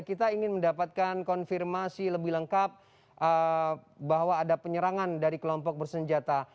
kita ingin mendapatkan konfirmasi lebih lengkap bahwa ada penyerangan dari kelompok bersenjata